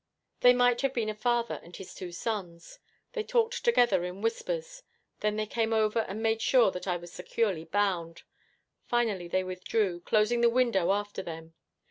They might have been a father and his two sons. They talked together in whispers. Then they came over and made sure that I was securely bound. Finally they withdrew, closing the window after them.